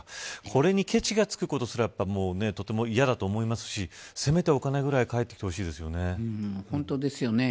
これにケチがつくことすらとても嫌だと思いますしせめてお金ぐらい本当ですよね。